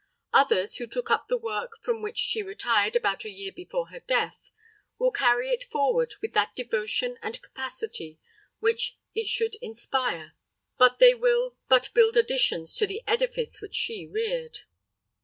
Others, who took up the work from which she retired about a year before her death, will carry it forward with that devotion and capacity which it should inspire; but they will but build additions to the edifice which she reared.